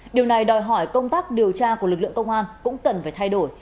điều này đòi hỏi công tác điều tra của lực lượng công an cũng cần phải thay đổi